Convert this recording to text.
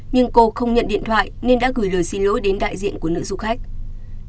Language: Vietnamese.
nhưng cô không nhận điện thoại nên đã gửi lời xin lỗi đến đại diện của nữ du khách